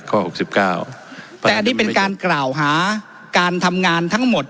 หกสิบเก้าแต่อันนี้เป็นการกล่าวหาการทำงานทั้งหมด